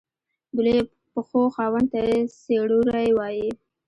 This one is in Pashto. د لويو پښو خاوند ته څپړورے وائي۔